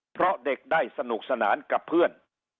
เพราะเด็กได้สนุกสนานกับเพื่อน